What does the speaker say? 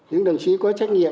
những đồng chí có trách nhiệm